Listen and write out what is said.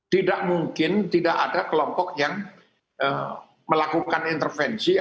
tidak mungkin tidak ada kelompok yang melakukan intervensi